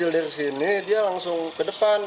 jil dari sini dia langsung ke depan